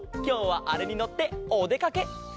きょうはあれにのっておでかけ。